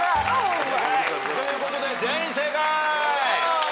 ということで全員正解。